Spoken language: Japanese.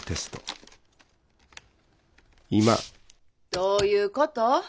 どういうこと？